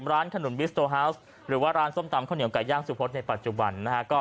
ร้านขนุนบิสโตฮาวส์หรือว่าร้านส้มตำข้าวเหนียวไก่ย่างสุพศในปัจจุบันนะฮะ